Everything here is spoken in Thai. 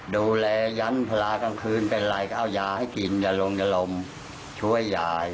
สูงแลยันทร์พลากลางคืนเป็นไรก็เออยาให้กินอย่าลมช่วยหาย